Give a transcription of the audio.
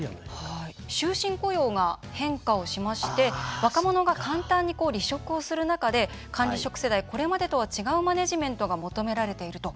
終身雇用が変化をしまして若者が簡単に離職をする中で管理職世代これまでとは違うマネジメントが求められていると。